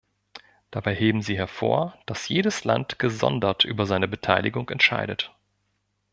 Dabei heben sie hervor, dass jedes Land gesondert über seine Beteiligung entscheidet.